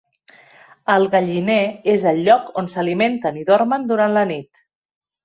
El galliner és el lloc on s'alimenten i dormen durant la nit.